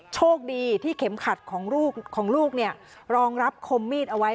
โชคดีที่เข็มขัดของลูกเนี่ยรองรับคมมีดเอาไว้